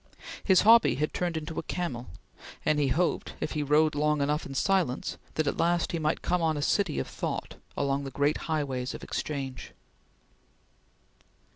His hobby had turned into a camel, and he hoped, if he rode long enough in silence, that at last he might come on a city of thought along the great highways of exchange.